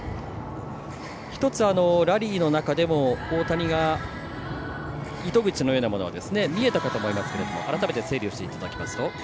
１つ、ラリーの中でも大谷が糸口のようなものが見えたかと思いますが改めて整理をしていただきますと。